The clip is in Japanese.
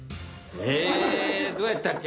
えどうやったっけ？